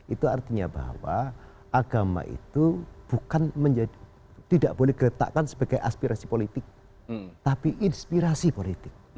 itu artinya bahwa agama itu tidak boleh diketahkan sebagai aspirasi politik tapi inspirasi politik